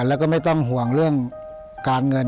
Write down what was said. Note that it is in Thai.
แล้วก็ไม่ต้องห่วงเรื่องการเงิน